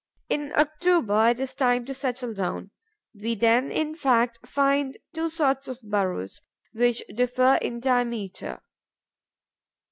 In October, it is time to settle down. We then, in fact, find two sorts of burrows, which differ in diameter.